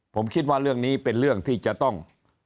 ผมคิดว่าเรื่องนี้เป็นเรื่องที่จะต้อง